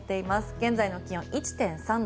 現在の気温は１．３度。